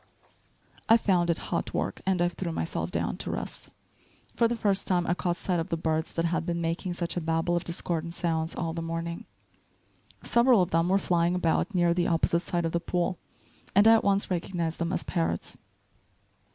I found it hot work, and I threw myself down to rest. For the first time I caught sight of the birds that had been making such a babel of discordant sounds all the morning. Several of them were flying about near the opposite side of the pool, and I at once recognized them as parrots.